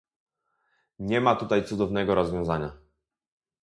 Nie ma tutaj cudownego rozwiązania